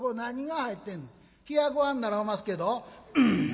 「冷やごはんならおますけど」。